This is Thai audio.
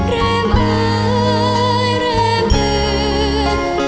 แรมอายแรมเหลือ